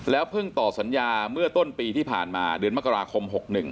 เพิ่งต่อสัญญาเมื่อต้นปีที่ผ่านมาเดือนมกราคม๖๑